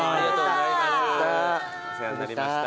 お世話になりました。